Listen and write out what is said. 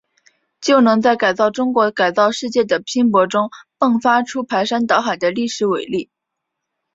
就能在改造中国、改造世界的拼搏中，迸发出排山倒海的历史伟力。